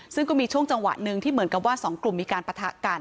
ซึ่งก็มีช่วงจังหวะหนึ่งที่เหมือนกับว่าสองกลุ่มมีการปะทะกัน